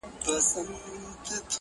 او لا ګورم چي ترټلی د بادار یم.!